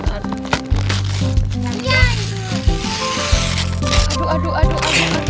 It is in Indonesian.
aduh aduh aduh aduh